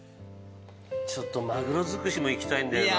ちょっとマグロづくしもいきたいんだよな。